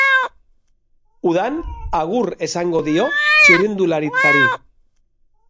Udan agur esango dio txirrindularitzari.